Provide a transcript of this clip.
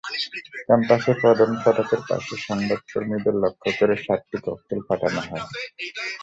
ক্যাম্পাসের প্রধান ফটকের আশপাশে সংবাদকর্মীদের লক্ষ্য করে সাতটি ককটেল ফাটানো হয়।